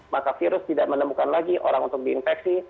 maka virus tidak menemukan lagi orang untuk diinfeksi